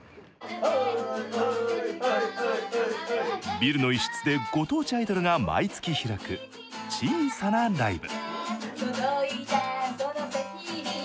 ビルの一室でご当地アイドルが毎月開く小さなライブ。